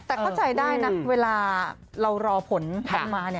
แต่เข้าใจได้นะเวลาเรารอผลออกมา